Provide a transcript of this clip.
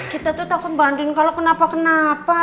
kita tuh takut mbak adin kalau kenapa kenapa